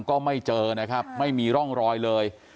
ก็ไม่เจอนะครับไม่มีร่องรอยเลย